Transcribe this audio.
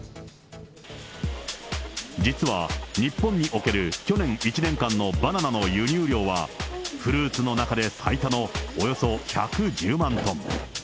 実は日本における、去年１年間のバナナの輸入量は、フルーツの中で最多のおよそ１１０万トン。